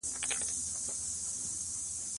ـ خپله خونه ورانه، د عاشق خونه ودانه.